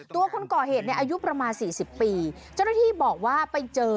คนก่อเหตุในอายุประมาณสี่สิบปีเจ้าหน้าที่บอกว่าไปเจอ